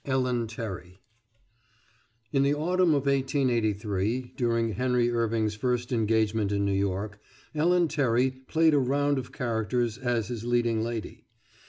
ELLEN TERRY [In the autumn of 1883, during Henry Irving's fist engagement in New York, Ellen Terry played a round of characters as his leading lady.